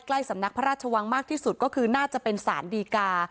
สำนักพระราชวังมากที่สุดก็คือน่าจะเป็นสารดีกา